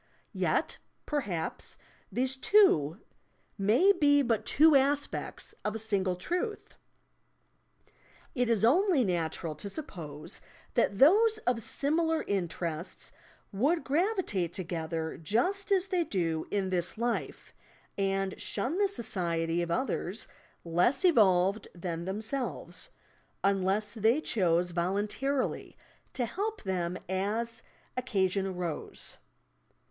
Yet, perhaps, these two may be but two aspects of a single truth! It is only natural to suppose that those of similar interests would gravitate together just as they do in this life, and shun the society of others less evolved than them.'selves (unless they chose voluntarily to help them as occasion arose).